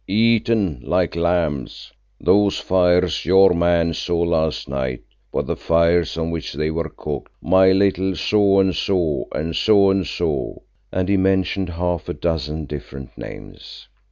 Eaten like lambs. Those fires your man saw last night were the fires on which they were cooked, my little so and so and so and so," and he mentioned half a dozen different names.